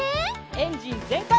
エンジンぜんかい！